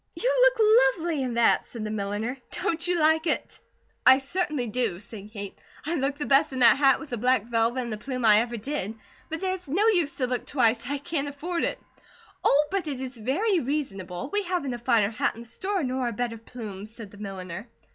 "You look lovely in that," said the milliner. "Don't you like it?" "I certainly do," said Kate. "I look the best in that hat, with the black velvet and the plume, I ever did, but there's no use to look twice, I can't afford it." "Oh, but it is very reasonable! We haven't a finer hat in the store, nor a better plume," said the milliner.